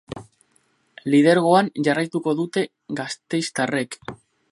Lidergoan jarraituko dute gasteiztarrek.